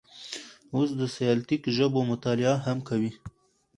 اوس د سلټیک ژبو مطالعه هم کوي.